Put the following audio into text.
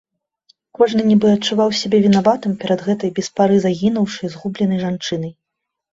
Кожны нібы адчуваў сябе вінаватым перад гэтай без пары загінуўшай, згубленай жанчынай.